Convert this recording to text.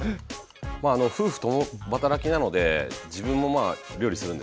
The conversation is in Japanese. まあ夫婦共働きなので自分もまあ料理するんですね。